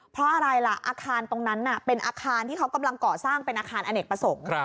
เพราะอะไรล่ะอาคารตรงนั้นเป็นอาคารที่เขากำลังก่อสร้างเป็นอาคารอเนกประสงค์